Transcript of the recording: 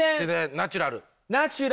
ナチュラルな。